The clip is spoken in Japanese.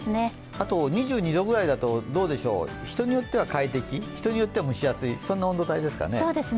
あと２２度ぐらいだと、人によっては快適、人によっては蒸し暑い、そんな温度帯ですかね。